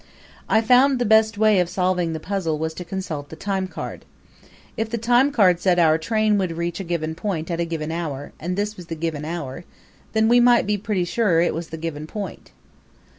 I found the best way of solving the puzzle was to consult the timecard. If the timecard said our train would reach a given point at a given hour, and this was the given hour, then we might be pretty sure this was the given point.